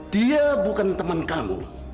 dia bukan teman kamu